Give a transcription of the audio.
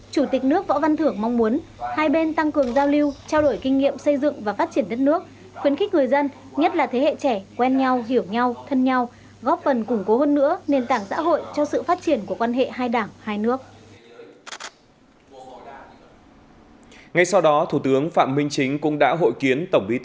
chủ tịch nước võ văn thường mong muốn hai bên tăng cường giao lưu trao đổi kinh nghiệm xây dựng và phát triển đất nước khuyến khích người dân nhất là thế hệ trẻ quen nhau hiểu nhau thân nhau góp phần củng cố hơn nữa nền tảng xã hội cho sự phát triển của quan hệ hai đảng hai nước